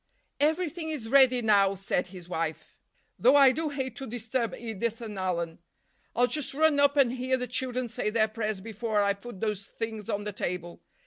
——"Everything is ready now," said his wife. "Though I do hate to disturb Edith and Alan. I'll just run up and hear the children say their prayers before I put those things on the table.